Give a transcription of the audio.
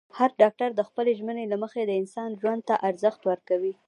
هر ډاکټر د خپلې ژمنې له مخې د انسان ژوند ته ارزښت ورکوي.